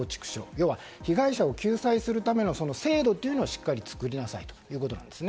要は被害者を救済する制度というのをしっかり作りなさいということです。